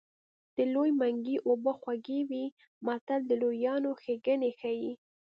د لوی منګي اوبه خوږې وي متل د لویانو ښېګڼې ښيي